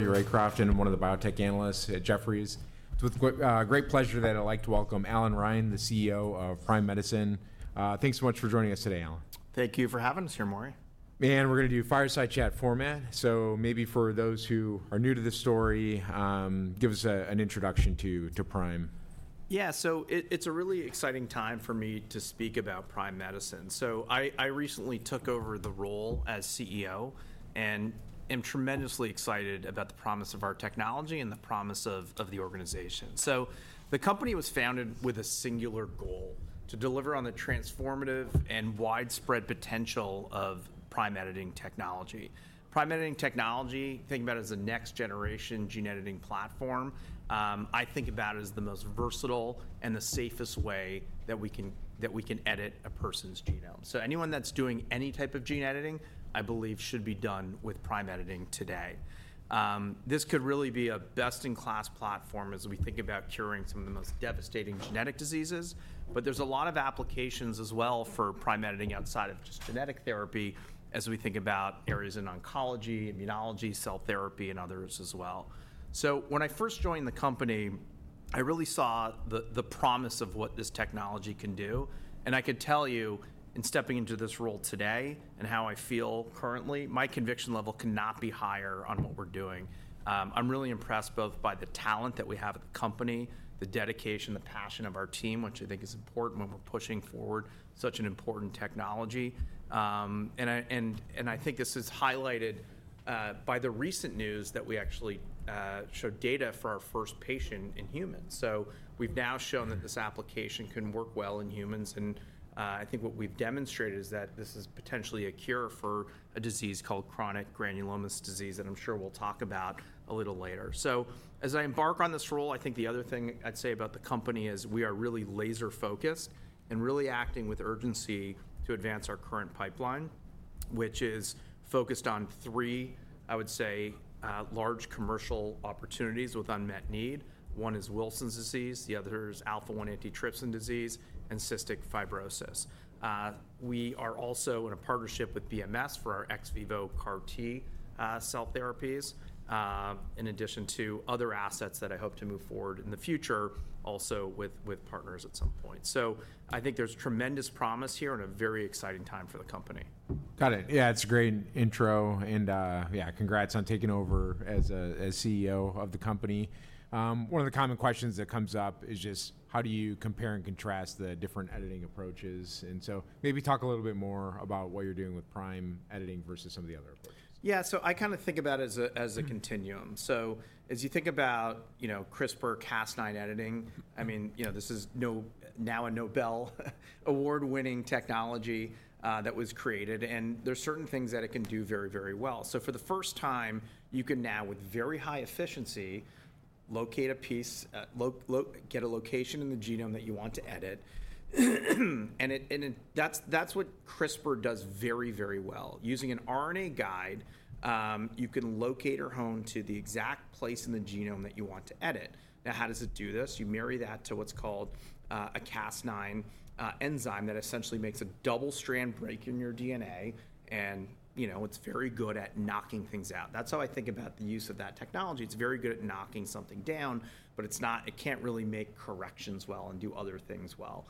Jeremy Reine Crofton, one of the biotech analysts at Jefferies. It's with great pleasure that I'd like to welcome Allan Reine, the CEO of Prime Medicine. Thanks so much for joining us today, Allan. Thank you for having us here, Maury. We're going to do fireside chat format. Maybe for those who are new to this story, give us an introduction to Prime. Yeah, so it's a really exciting time for me to speak about Prime Medicine. I recently took over the role as CEO and am tremendously excited about the promise of our technology and the promise of the organization. The company was founded with a singular goal: to deliver on the transformative and widespread potential of prime editing technology. Prime editing technology, think about it as a next-generation gene editing platform. I think about it as the most versatile and the safest way that we can edit a person's genome. Anyone that's doing any type of gene editing, I believe, should be done with prime editing today. This could really be a best-in-class platform as we think about curing some of the most devastating genetic diseases. There are a lot of applications as well for prime editing outside of just genetic therapy as we think about areas in oncology, immunology, cell therapy, and others as well. When I first joined the company, I really saw the promise of what this technology can do. I could tell you, in stepping into this role today and how I feel currently, my conviction level cannot be higher on what we're doing. I'm really impressed both by the talent that we have at the company, the dedication, the passion of our team, which I think is important when we're pushing forward such an important technology. I think this is highlighted by the recent news that we actually showed data for our first patient in humans. We have now shown that this application can work well in humans. I think what we've demonstrated is that this is potentially a cure for a disease called chronic granulomatous disease, and I'm sure we'll talk about it a little later. As I embark on this role, I think the other thing I'd say about the company is we are really laser-focused and really acting with urgency to advance our current pipeline, which is focused on three, I would say, large commercial opportunities with unmet need. One is Wilson's disease. The other is alpha-1 antitrypsin disease and cystic fibrosis. We are also in a partnership with BMS for our ex-vivo CAR T cell therapies, in addition to other assets that I hope to move forward in the future, also with partners at some point. I think there's tremendous promise here and a very exciting time for the company. Got it. Yeah, it's a great intro. Yeah, congrats on taking over as CEO of the company. One of the common questions that comes up is just how do you compare and contrast the different editing approaches? Maybe talk a little bit more about what you're doing with prime editing versus some of the other approaches. Yeah, so I kind of think about it as a continuum. As you think about CRISPR-Cas9 editing, I mean, this is now a Nobel Award-winning technology that was created. There are certain things that it can do very, very well. For the first time, you can now, with very high efficiency, get a location in the genome that you want to edit. That's what CRISPR does very, very well. Using an RNA guide, you can locate or hone to the exact place in the genome that you want to edit. Now, how does it do this? You marry that to what's called a Cas9 enzyme that essentially makes a double-strand break in your DNA. It's very good at knocking things out. That's how I think about the use of that technology. It's very good at knocking something down, but it can't really make corrections well and do other things well.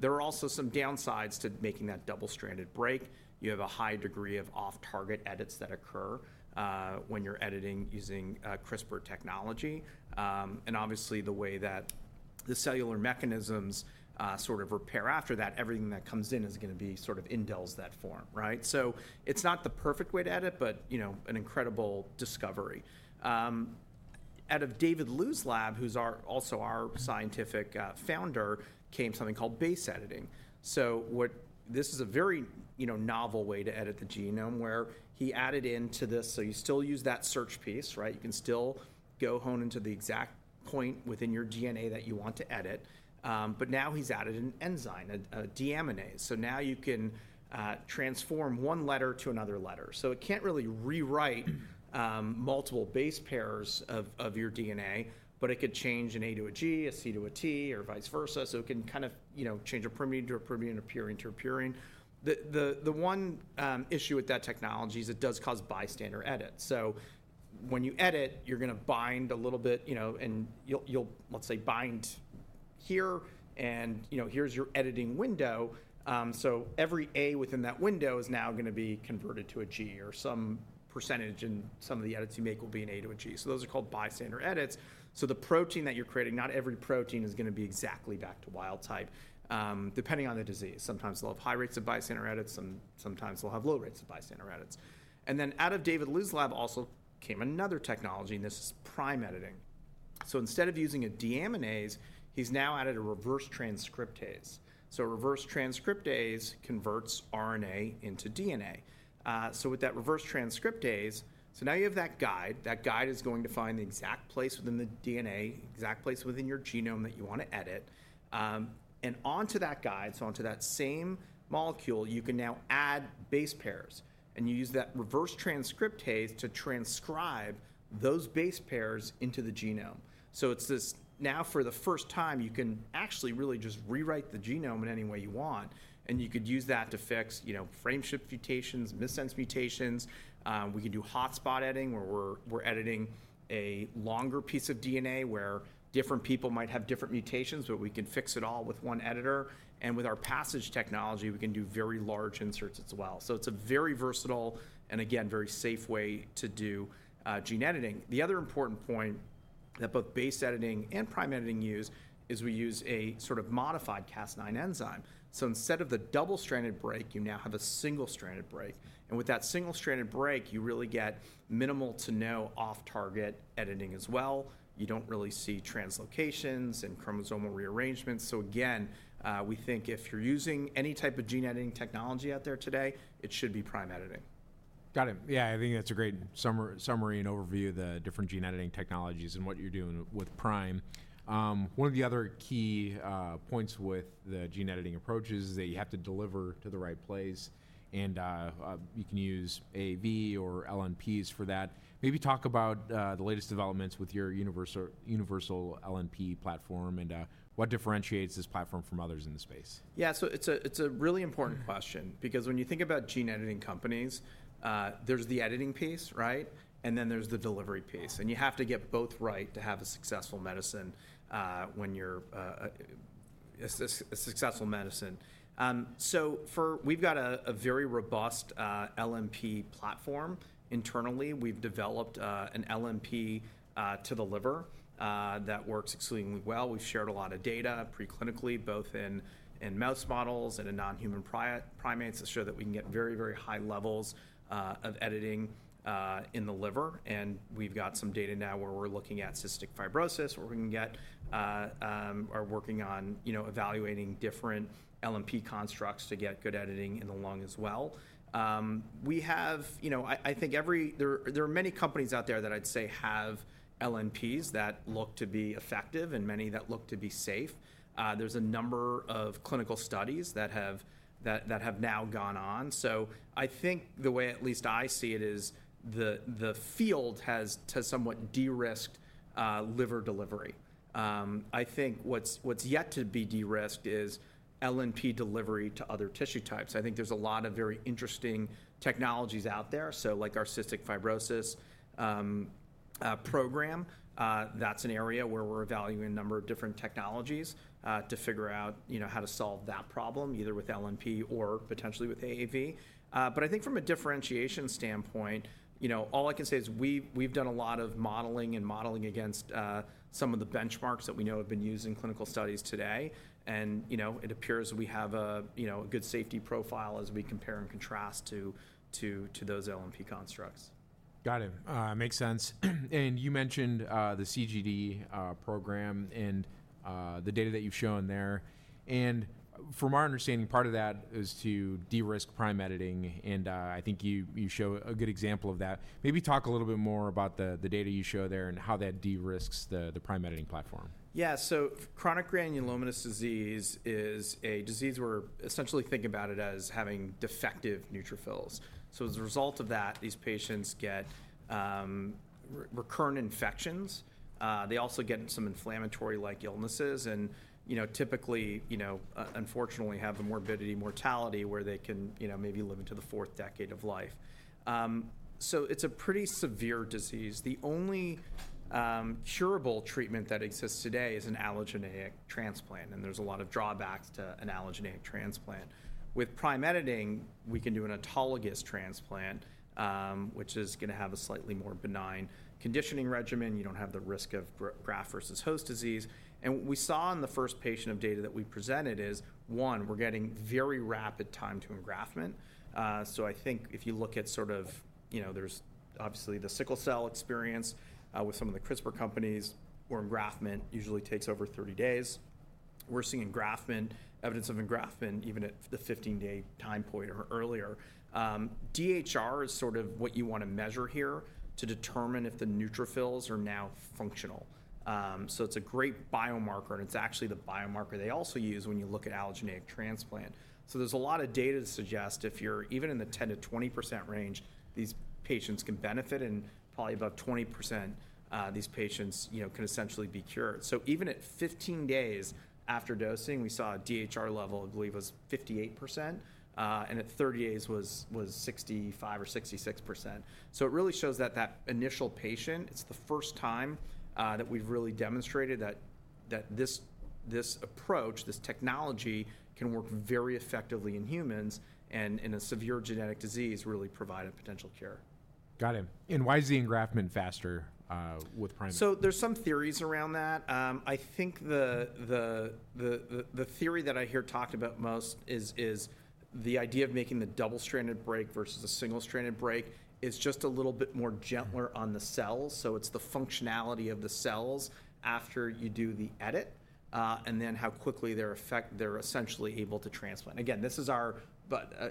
There are also some downsides to making that double-strand break. You have a high degree of off-target edits that occur when you're editing using CRISPR technology. Obviously, the way that the cellular mechanisms sort of repair after that, everything that comes in is going to be sort of indulged that form, right? It is not the perfect way to edit, but an incredible discovery. Out of David Liu's lab, who's also our scientific founder, came something called base editing. This is a very novel way to edit the genome, where he added into this, so you still use that search piece, right? You can still go hone into the exact point within your DNA that you want to edit. Now he's added an enzyme, a deaminase. Now you can transform one letter to another letter. It cannot really rewrite multiple base pairs of your DNA, but it could change an A to a G, a C to a T, or vice versa. It can kind of change a pyrimidine into a pyrimidine or purine into a purine. The one issue with that technology is it does cause bystander edits. When you edit, you are going to bind a little bit, and you will, let's say, bind here, and here is your editing window. Every A within that window is now going to be converted to a G, or some percentage in some of the edits you make will be an A to a G. Those are called bystander edits. The protein that you are creating, not every protein is going to be exactly back to wild type, depending on the disease. Sometimes they'll have high rates of bystander edits. Sometimes they'll have low rates of bystander edits. Out of David Liu's lab also came another technology, and this is prime editing. Instead of using a deaminase, he's now added a reverse transcriptase. Reverse transcriptase converts RNA into DNA. With that reverse transcriptase, now you have that guide. That guide is going to find the exact place within the DNA, exact place within your genome that you want to edit. Onto that guide, onto that same molecule, you can now add base pairs. You use that reverse transcriptase to transcribe those base pairs into the genome. It is this now, for the first time, you can actually really just rewrite the genome in any way you want. You could use that to fix frameshift mutations, missense mutations. We can do hotspot editing, where we're editing a longer piece of DNA, where different people might have different mutations, but we can fix it all with one editor. With our passage technology, we can do very large inserts as well. It is a very versatile and, again, very safe way to do gene editing. The other important point that both base editing and prime editing use is we use a sort of modified Cas9 enzyme. Instead of the double-stranded break, you now have a single-stranded break. With that single-stranded break, you really get minimal to no off-target editing as well. You do not really see translocations and chromosomal rearrangements. Again, we think if you're using any type of gene editing technology out there today, it should be prime editing. Got it. Yeah, I think that's a great summary and overview of the different gene editing technologies and what you're doing with prime. One of the other key points with the gene editing approach is that you have to deliver to the right place. You can use AAV or LNPs for that. Maybe talk about the latest developments with your universal LNP platform and what differentiates this platform from others in the space. Yeah, so it's a really important question because when you think about gene editing companies, there's the editing piece, right? And then there's the delivery piece. You have to get both right to have a successful medicine when you're a successful medicine. We've got a very robust LNP platform. Internally, we've developed an LNP to the liver that works extremely well. We've shared a lot of data preclinically, both in mouse models and in non-human primates, to show that we can get very, very high levels of editing in the liver. We've got some data now where we're looking at cystic fibrosis, where we can get or working on evaluating different LNP constructs to get good editing in the lung as well. I think there are many companies out there that I'd say have LNPs that look to be effective and many that look to be safe. There's a number of clinical studies that have now gone on. I think the way at least I see it is the field has somewhat de-risked liver delivery. I think what's yet to be de-risked is LNP delivery to other tissue types. I think there's a lot of very interesting technologies out there. Like our cystic fibrosis program, that's an area where we're evaluating a number of different technologies to figure out how to solve that problem, either with LNP or potentially with AAV. I think from a differentiation standpoint, all I can say is we've done a lot of modeling and modeling against some of the benchmarks that we know have been used in clinical studies today. It appears we have a good safety profile as we compare and contrast to those LNP constructs. Got it. Makes sense. You mentioned the CGD program and the data that you've shown there. From our understanding, part of that is to de-risk prime editing. I think you show a good example of that. Maybe talk a little bit more about the data you show there and how that de-risks the prime editing platform. Yeah, so chronic granulomatous disease is a disease where we're essentially thinking about it as having defective neutrophils. As a result of that, these patients get recurrent infections. They also get some inflammatory-like illnesses and typically, unfortunately, have the morbidity mortality where they can maybe live into the fourth decade of life. It's a pretty severe disease. The only curable treatment that exists today is an allogeneic transplant. There's a lot of drawbacks to an allogeneic transplant. With prime editing, we can do an autologous transplant, which is going to have a slightly more benign conditioning regimen. You don't have the risk of graft versus host disease. What we saw in the first patient of data that we presented is, one, we're getting very rapid time to engraftment. I think if you look at sort of there's obviously the sickle cell experience with some of the CRISPR companies where engraftment usually takes over 30 days. We're seeing evidence of engraftment even at the 15-day time point or earlier. DHR is sort of what you want to measure here to determine if the neutrophils are now functional. It's a great biomarker, and it's actually the biomarker they also use when you look at allogeneic transplant. There's a lot of data to suggest if you're even in the 10%-20% range, these patients can benefit. Probably about 20% of these patients can essentially be cured. Even at 15 days after dosing, we saw a DHR level, I believe, was 58%. At 30 days it was 65% or 66%. It really shows that initial patient, it's the first time that we've really demonstrated that this approach, this technology can work very effectively in humans. In a severe genetic disease, really provide a potential cure. Got it. Why is the engraftment faster with prime? There's some theories around that. I think the theory that I hear talked about most is the idea of making the double-strand break versus a single-strand break is just a little bit more gentler on the cells. It's the functionality of the cells after you do the edit and then how quickly they're essentially able to transplant. Again, this is our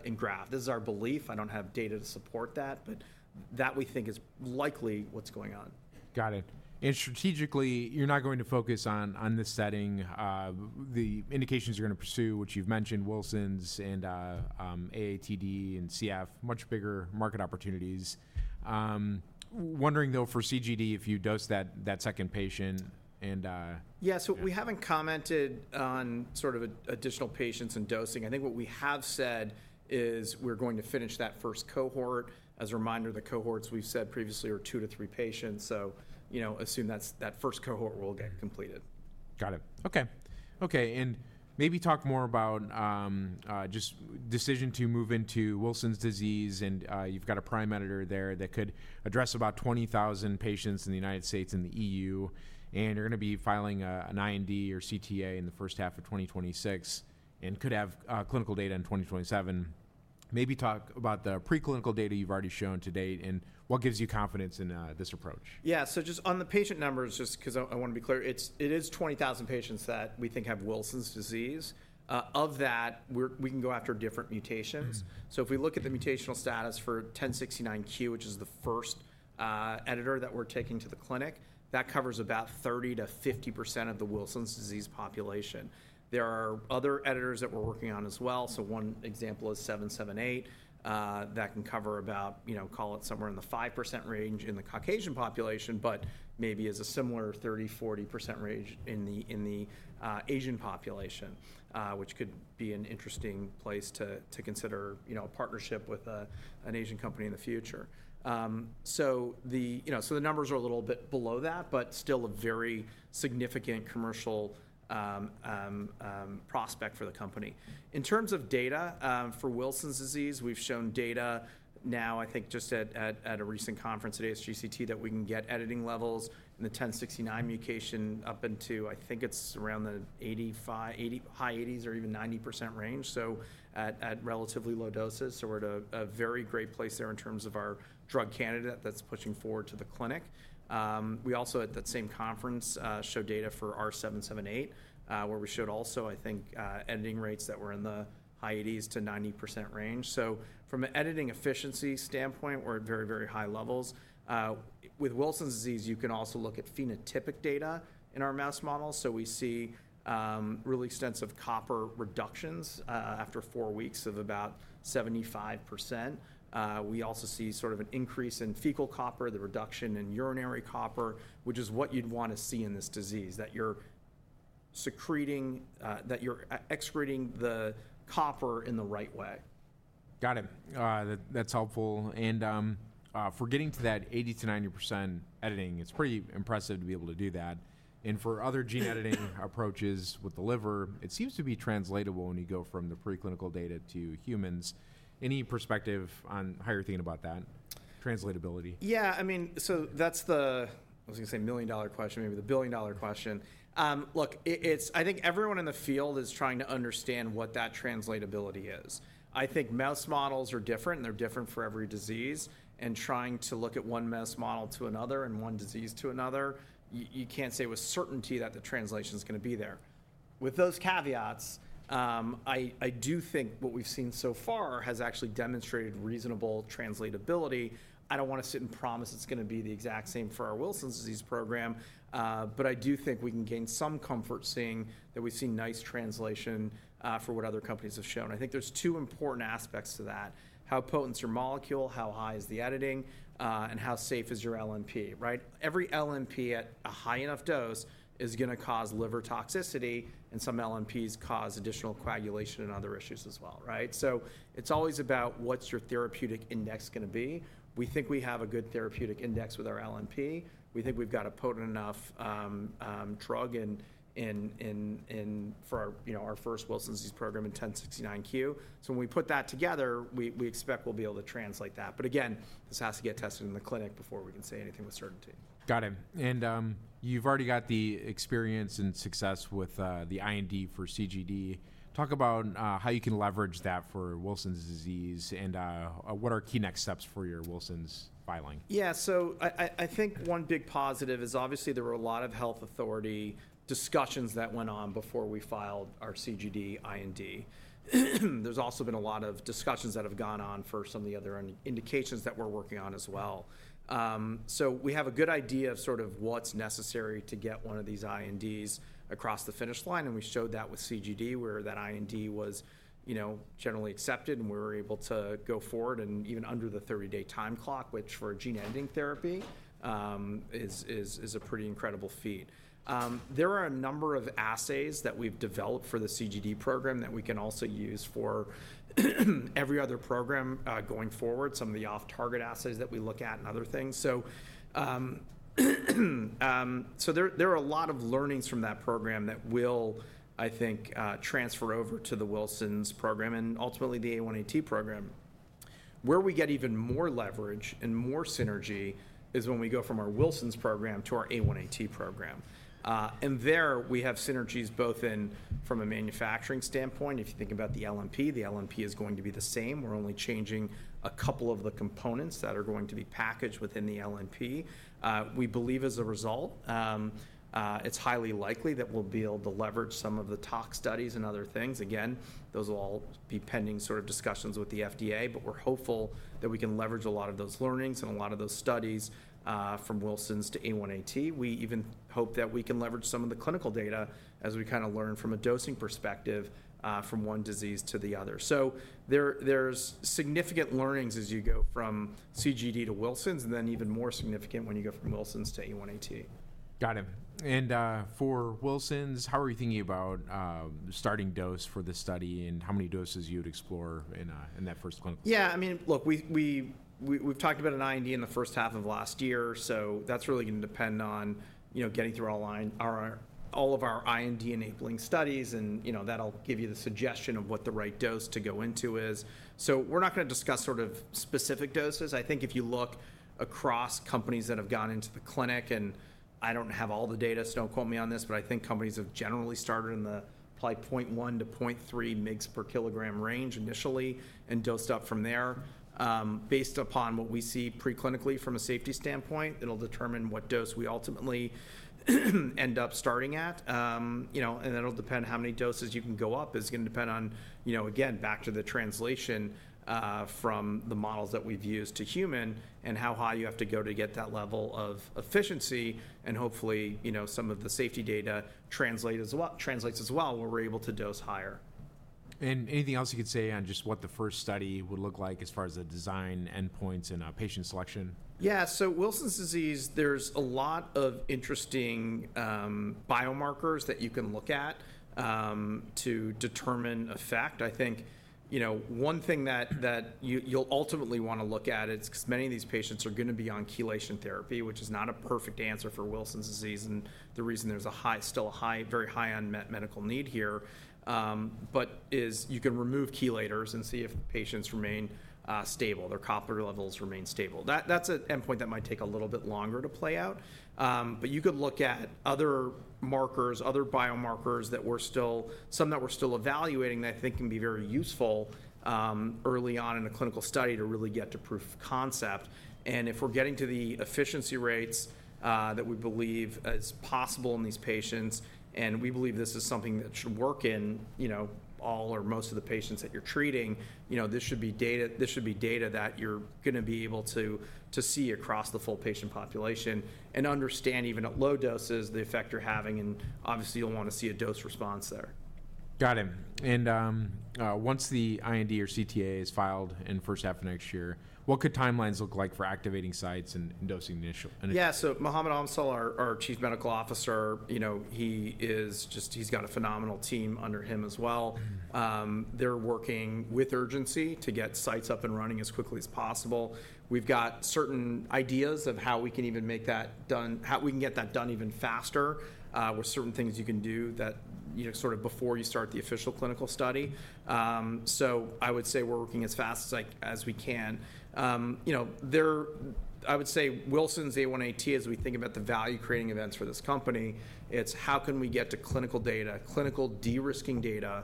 engraft. This is our belief. I don't have data to support that, but that we think is likely what's going on. Got it. Strategically, you're not going to focus on this setting. The indications you're going to pursue, which you've mentioned, Wilson's and AATD and CF, much bigger market opportunities. Wondering, though, for CGD, if you dose that second patient. Yeah, so we haven't commented on sort of additional patients and dosing. I think what we have said is we're going to finish that first cohort. As a reminder, the cohorts we've said previously are two to three patients. So assume that first cohort will get completed. Got it. Okay. Maybe talk more about just decision to move into Wilson's disease. You have a prime editor there that could address about 20,000 patients in the United States and the European Union. You are going to be filing an IND or CTA in the first half of 2026 and could have clinical data in 2027. Maybe talk about the preclinical data you have already shown to date and what gives you confidence in this approach. Yeah, so just on the patient numbers, just because I want to be clear, it is 20,000 patients that we think have Wilson's disease. Of that, we can go after different mutations. If we look at the mutational status for H1069Q, which is the first editor that we're taking to the clinic, that covers about 30%-50% of the Wilson's disease population. There are other editors that we're working on as well. One example is 778 that can cover about, call it somewhere in the 5% range in the Caucasian population, but maybe is a similar 30%-40% range in the Asian population, which could be an interesting place to consider a partnership with an Asian company in the future. The numbers are a little bit below that, but still a very significant commercial prospect for the company. In terms of data for Wilson's disease, we've shown data now, I think just at a recent conference at ASGCT, that we can get editing levels in the 1069 mutation up into, I think it's around the high 80s or even 90% range at relatively low doses. We are at a very great place there in terms of our drug candidate that's pushing forward to the clinic. We also, at that same conference, showed data for R778, where we showed also, I think, editing rates that were in the high 80s-90% range. From an editing efficiency standpoint, we are at very, very high levels. With Wilson's disease, you can also look at phenotypic data in our mouse models. We see really extensive copper reductions after four weeks of about 75%. We also see sort of an increase in fecal copper, the reduction in urinary copper, which is what you'd want to see in this disease, that you're excreting the copper in the right way. Got it. That's helpful. For getting to that 80%-90% editing, it's pretty impressive to be able to do that. For other gene editing approaches with the liver, it seems to be translatable when you go from the preclinical data to humans. Any perspective on how you're thinking about that? Translatability? Yeah, I mean, so that's the, I was going to say million-dollar question, maybe the billion-dollar question. Look, I think everyone in the field is trying to understand what that translatability is. I think mouse models are different, and they're different for every disease. Trying to look at one mouse model to another and one disease to another, you can't say with certainty that the translation is going to be there. With those caveats, I do think what we've seen so far has actually demonstrated reasonable translatability. I don't want to sit and promise it's going to be the exact same for our Wilson's disease program. I do think we can gain some comfort seeing that we've seen nice translation for what other companies have shown. I think there's two important aspects to that: how potent's your molecule, how high is the editing, and how safe is your LNP, right? Every LNP at a high enough dose is going to cause liver toxicity. Some LNPs cause additional coagulation and other issues as well, right? It's always about what's your therapeutic index going to be. We think we have a good therapeutic index with our LNP. We think we've got a potent enough drug for our first Wilson's disease program in 1069Q. When we put that together, we expect we'll be able to translate that. Again, this has to get tested in the clinic before we can say anything with certainty. Got it. You have already got the experience and success with the IND for CGD. Talk about how you can leverage that for Wilson's disease and what are key next steps for your Wilson's filing? Yeah, I think one big positive is obviously there were a lot of health authority discussions that went on before we filed our CGD IND. There's also been a lot of discussions that have gone on for some of the other indications that we're working on as well. We have a good idea of sort of what's necessary to get one of these INDs across the finish line. We showed that with CGD where that IND was generally accepted, and we were able to go forward and even under the 30-day time clock, which for gene editing therapy is a pretty incredible feat. There are a number of assays that we've developed for the CGD program that we can also use for every other program going forward, some of the off-target assays that we look at and other things. There are a lot of learnings from that program that will, I think, transfer over to the Wilson's program and ultimately the A1AT program. Where we get even more leverage and more synergy is when we go from our Wilson's program to our A1AT program. There we have synergies both from a manufacturing standpoint. If you think about the LNP, the LNP is going to be the same. We're only changing a couple of the components that are going to be packaged within the LNP. We believe as a result, it's highly likely that we'll be able to leverage some of the TOC studies and other things. Again, those will all be pending sort of discussions with the FDA, but we're hopeful that we can leverage a lot of those learnings and a lot of those studies from Wilson's to A1AT. We even hope that we can leverage some of the clinical data as we kind of learn from a dosing perspective from one disease to the other. There are significant learnings as you go from CGD to Wilson's and then even more significant when you go from Wilson's to A1AT. Got it. For Wilson's, how are you thinking about starting dose for the study and how many doses you'd explore in that first clinical study? Yeah, I mean, look, we've talked about an IND in the first half of last year. That is really going to depend on getting through all of our IND enabling studies. That will give you the suggestion of what the right dose to go into is. We are not going to discuss sort of specific doses. I think if you look across companies that have gone into the clinic, and I do not have all the data, so do not quote me on this, but I think companies have generally started in the probably 0.1-0.3 mg/kg range initially and dosed up from there. Based upon what we see preclinically from a safety standpoint, it will determine what dose we ultimately end up starting at. It will depend how many doses you can go up. It's going to depend on, again, back to the translation from the models that we've used to human and how high you have to go to get that level of efficiency. Hopefully, some of the safety data translates as well where we're able to dose higher. Anything else you could say on just what the first study would look like as far as the design endpoints and patient selection? Yeah, so Wilson's disease, there's a lot of interesting biomarkers that you can look at to determine effect. I think one thing that you'll ultimately want to look at is because many of these patients are going to be on chelation therapy, which is not a perfect answer for Wilson's disease and the reason there's still a very high unmet medical need here, is you can remove chelators and see if patients remain stable, their copper levels remain stable. That's an endpoint that might take a little bit longer to play out. You could look at other markers, other biomarkers that we're still, some that we're still evaluating that I think can be very useful early on in a clinical study to really get to proof of concept. If we're getting to the efficiency rates that we believe is possible in these patients, and we believe this is something that should work in all or most of the patients that you're treating, this should be data that you're going to be able to see across the full patient population and understand even at low doses the effect you're having. Obviously, you'll want to see a dose response there. Got it. Once the IND or CTA is filed in the first half of next year, what could timelines look like for activating sites and dosing initial? Yeah, so Mohammed Amsal, our Chief Medical Officer, he's got a phenomenal team under him as well. They're working with urgency to get sites up and running as quickly as possible. We've got certain ideas of how we can even make that done, how we can get that done even faster with certain things you can do that sort of before you start the official clinical study. I would say we're working as fast as we can. I would say Wilson's, A1AT, as we think about the value-creating events for this company, it's how can we get to clinical data, clinical de-risking data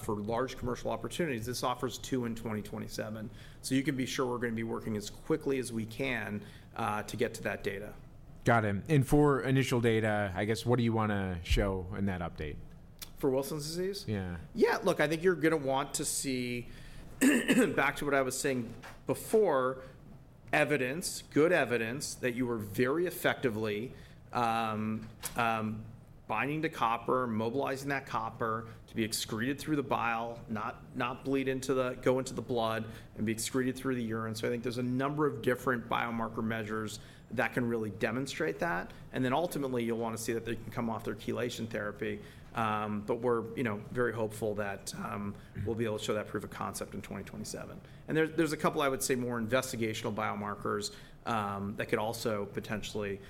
for large commercial opportunities. This offers two in 2027. You can be sure we're going to be working as quickly as we can to get to that data. Got it. For initial data, I guess, what do you want to show in that update? For Wilson's disease? Yeah. Yeah, look, I think you're going to want to see, back to what I was saying before, evidence, good evidence that you were very effectively binding the copper, mobilizing that copper to be excreted through the bile, not go into the blood and be excreted through the urine. I think there's a number of different biomarker measures that can really demonstrate that. Ultimately, you'll want to see that they can come off their chelation therapy. We're very hopeful that we'll be able to show that proof of concept in 2027. There's a couple, I would say, more investigational biomarkers that could also potentially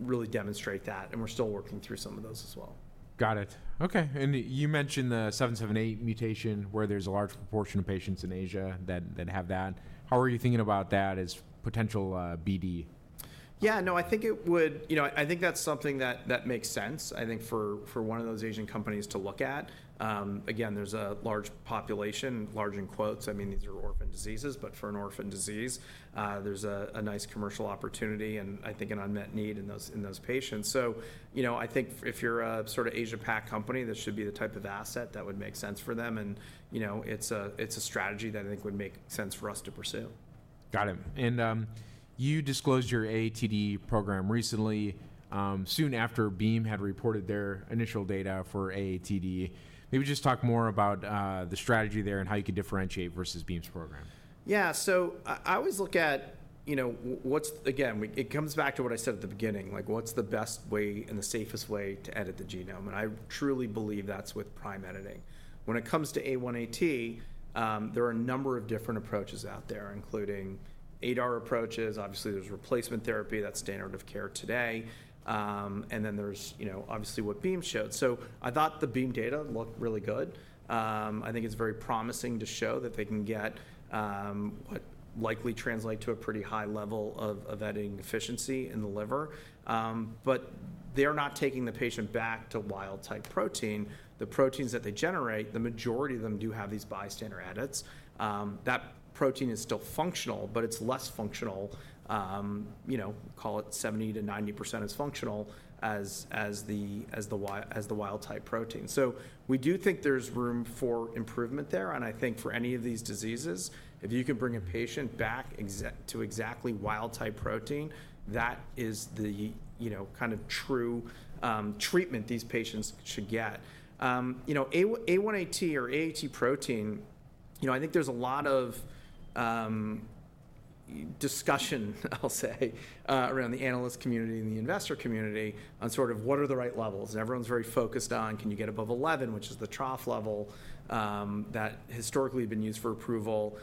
really demonstrate that. We're still working through some of those as well. Got it. Okay. You mentioned the 778 mutation where there's a large proportion of patients in Asia that have that. How are you thinking about that as potential BD? Yeah, no, I think it would, I think that's something that makes sense, I think, for one of those Asian companies to look at. Again, there's a large population, large in quotes. I mean, these are orphan diseases, but for an orphan disease, there's a nice commercial opportunity and I think an unmet need in those patients. I think if you're a sort of Asia-packed company, this should be the type of asset that would make sense for them. It is a strategy that I think would make sense for us to pursue. Got it. You disclosed your AATD program recently, soon after Beam had reported their initial data for AATD. Maybe just talk more about the strategy there and how you can differentiate versus Beam's program. Yeah, so I always look at, again, it comes back to what I said at the beginning, like what's the best way and the safest way to edit the genome. And I truly believe that's with prime editing. When it comes to A1AT, there are a number of different approaches out there, including ADAR approaches. Obviously, there's replacement therapy, that's standard of care today. And then there's obviously what Beam showed. I thought the Beam data looked really good. I think it's very promising to show that they can get what likely translates to a pretty high level of editing efficiency in the liver. But they are not taking the patient back to wild-type protein. The proteins that they generate, the majority of them do have these bystander edits. That protein is still functional, but it's less functional, call it 70%-90% as functional as the wild-type protein. We do think there's room for improvement there. I think for any of these diseases, if you can bring a patient back to exactly wild-type protein, that is the kind of true treatment these patients should get. A1AT or AAT protein, I think there's a lot of discussion, I'll say, around the analyst community and the investor community on sort of what are the right levels. Everyone's very focused on, can you get above 11, which is the trough level that historically has been used for approval.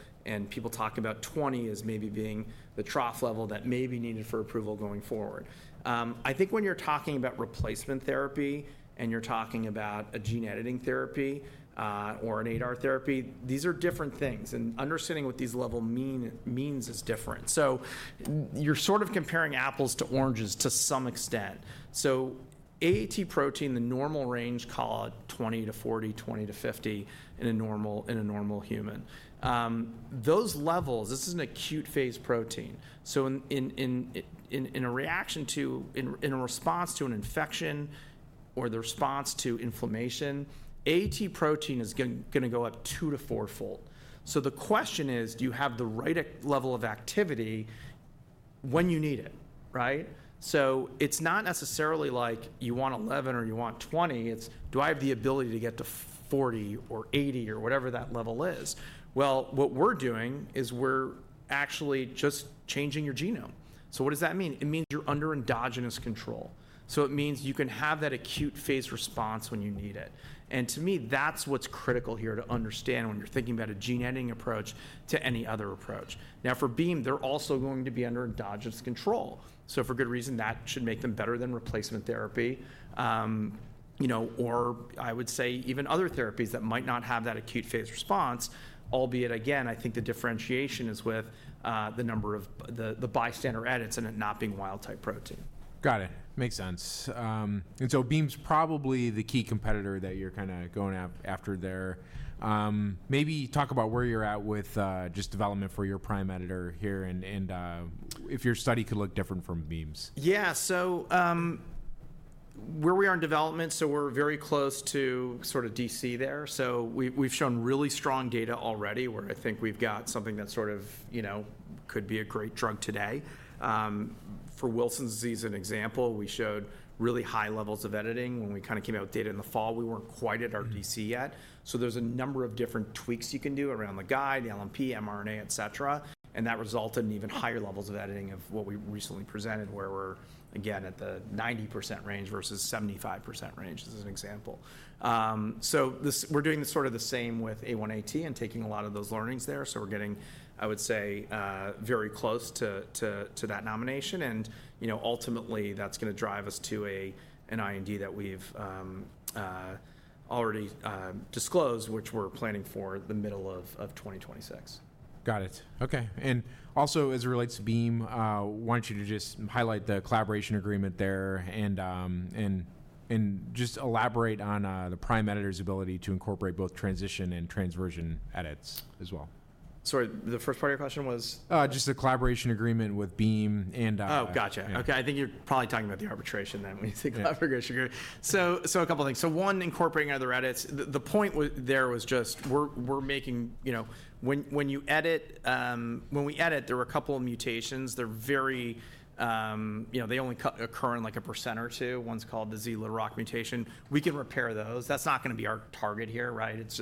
People talk about 20 as maybe being the trough level that may be needed for approval going forward. I think when you're talking about replacement therapy and you're talking about a gene editing therapy or an ADAR therapy, these are different things. Understanding what these levels mean is different. You're sort of comparing apples to oranges to some extent. AAT protein, the normal range called 20-40, 20-50 in a normal human. Those levels, this is an acute phase protein. In reaction to, in response to an infection or the response to inflammation, AAT protein is going to go up two- to fourfold. The question is, do you have the right level of activity when you need it, right? It's not necessarily like you want 11 or you want 20. It's, do I have the ability to get to 40 or 80 or whatever that level is? What we're doing is we're actually just changing your genome. What does that mean? It means you're under endogenous control. It means you can have that acute phase response when you need it. To me, that's what's critical here to understand when you're thinking about a gene editing approach to any other approach. For Beam, they're also going to be under endogenous control. For good reason, that should make them better than replacement therapy or I would say even other therapies that might not have that acute phase response, albeit, again, I think the differentiation is with the number of the bystander edits and it not being wild-type protein. Got it. Makes sense. Beam's probably the key competitor that you're kind of going after there. Maybe talk about where you're at with just development for your prime editor here and if your study could look different from Beam's. Yeah, so where we are in development, we're very close to sort of DC there. We've shown really strong data already where I think we've got something that sort of could be a great drug today. For Wilson's disease, for example, we showed really high levels of editing when we kind of came out with data in the fall. We weren't quite at our DC yet. There's a number of different tweaks you can do around the guide, the LNP, mRNA, etc. That resulted in even higher levels of editing in what we recently presented where we're, again, at the 90% range versus 75% range, as an example. We're doing the same with A1AT and taking a lot of those learnings there. We're getting, I would say, very close to that nomination. Ultimately, that's going to drive us to an IND that we've already disclosed, which we're planning for the middle of 2026. Got it. Okay. Also, as it relates to Beam, I want you to just highlight the collaboration agreement there and just elaborate on the Prime Editors' ability to incorporate both transition and transversion edits as well. Sorry, the first part of your question was? Just the collaboration agreement with Beam. Oh, gotcha. Okay. I think you're probably talking about the arbitration then when you say collaboration agreement. A couple of things. One, incorporating other edits. The point there was just we're making, when we edit, there were a couple of mutations. They're very, they only occur in like 1% or 2%. One's called the Z allele mutation. We can repair those. That's not going to be our target here, right? It's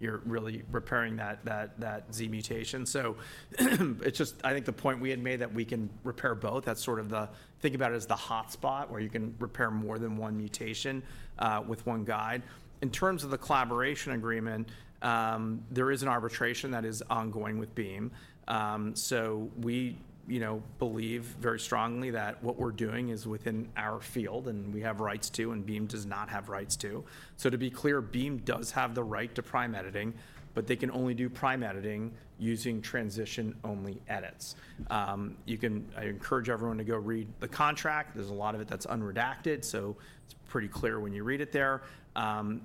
just you're really repairing that Z mutation. I think the point we had made that we can repair both, that's sort of the, think about it as the hotspot where you can repair more than one mutation with one guide. In terms of the collaboration agreement, there is an arbitration that is ongoing with Beam. We believe very strongly that what we're doing is within our field and we have rights to and Beam does not have rights to. To be clear, Beam does have the right to prime editing, but they can only do prime editing using transition-only edits. I encourage everyone to go read the contract. There's a lot of it that's unredacted, so it's pretty clear when you read it there.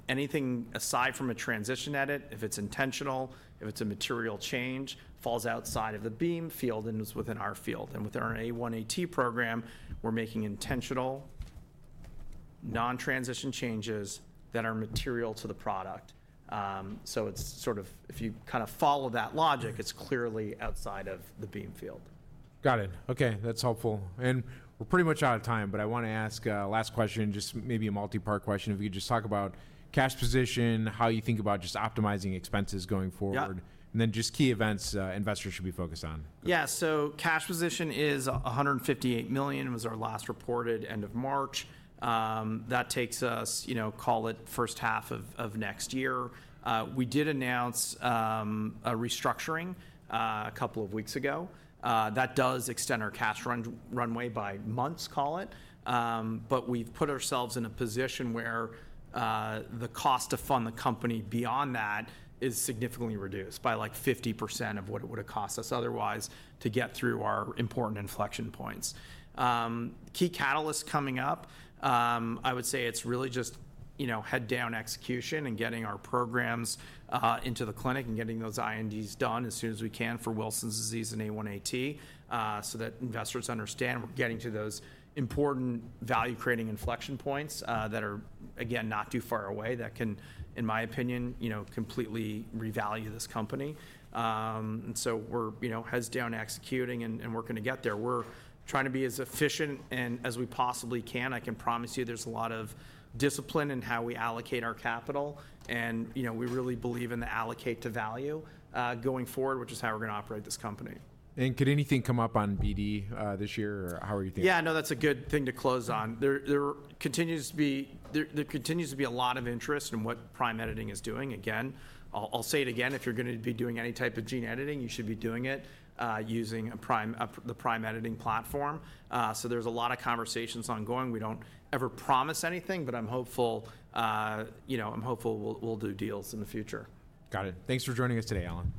Anything aside from a transition edit, if it's intentional, if it's a material change, falls outside of the Beam field and is within our field. With our A1AT program, we're making intentional non-transition changes that are material to the product. If you kind of follow that logic, it's clearly outside of the Beam field. Got it. Okay. That's helpful. We're pretty much out of time, but I want to ask a last question, just maybe a multi-part question. If you could just talk about cash position, how you think about just optimizing expenses going forward, and then just key events investors should be focused on. Yeah, so cash position is $158 million was our last reported end of March. That takes us, call it first half of next year. We did announce a restructuring a couple of weeks ago. That does extend our cash runway by months, call it. We have put ourselves in a position where the cost to fund the company beyond that is significantly reduced by like 50% of what it would have cost us otherwise to get through our important inflection points. Key catalysts coming up, I would say it's really just head-down execution and getting our programs into the clinic and getting those INDs done as soon as we can for Wilson's disease and A1AT so that investors understand we're getting to those important value-creating inflection points that are, again, not too far away that can, in my opinion, completely revalue this company. We are heads-down executing and we are going to get there. We are trying to be as efficient as we possibly can. I can promise you there is a lot of discipline in how we allocate our capital. We really believe in the allocate to value going forward, which is how we are going to operate this company. Could anything come up on BD this year or how are you thinking? Yeah, no, that's a good thing to close on. There continues to be a lot of interest in what prime editing is doing. Again, I'll say it again, if you're going to be doing any type of gene editing, you should be doing it using the Prime Editing platform. There are a lot of conversations ongoing. We do not ever promise anything, but I'm hopeful we'll do deals in the future. Got it. Thanks for joining us today, Allan.